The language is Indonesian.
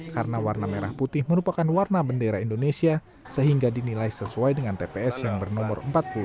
karena warna merah putih merupakan warna bendera indonesia sehingga dinilai sesuai dengan tps yang bernomor empat puluh lima